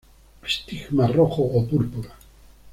Estigma rojo o púrpura.